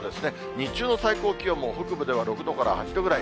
日中の最高気温も、北部では６度から８度ぐらい。